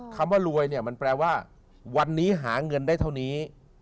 คำถามสัยพูดเหรอนี่ต้องกินเหรอมันแปลว่าวันนี้หาเงินได้เท่านี้